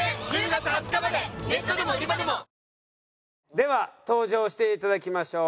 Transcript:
では登場していただきましょう。